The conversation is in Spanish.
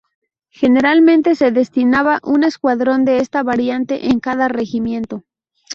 Generalmente se destinaba un escuadrón de esta variante en cada regimiento.